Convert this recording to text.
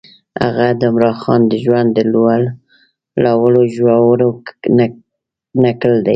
هغه د عمرا خان د ژوند د لوړو ژورو نکل دی.